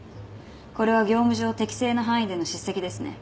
これは業務上適正な範囲での叱責ですね。